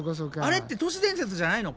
あれって都市伝説じゃないの？